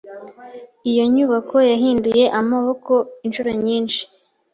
Iyo nyubako yahinduye amaboko inshuro nyinshi.